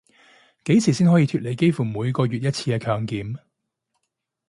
幾時先可以脫離幾乎每個月一次強檢